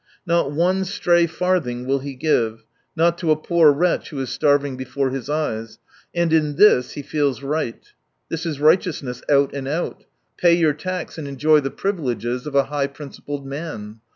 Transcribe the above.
Not one stray farthing will he give, not to a poor wretch who is starving before his eyes. And in this he feels right. This is righteousness out and out : pay your tax and enjoy the 162 privileges of a high principled man.